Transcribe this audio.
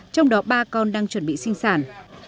trong đó ba con đang chuẩn bị sinh sản